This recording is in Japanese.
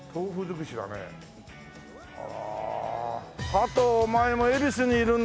ハトお前も恵比寿にいるんだ。